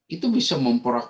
itu bisa memperlakukan